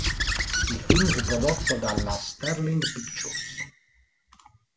Il film fu prodotto dalla Sterling Pictures.